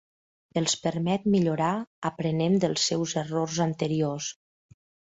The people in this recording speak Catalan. Els permet millorar aprenent dels seus errors anteriors.